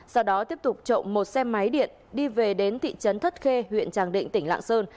sau đó tiếp tục trộm một xe máy điện đi về đến thị trấn thất khê huyện tràng định tỉnh lạng sơn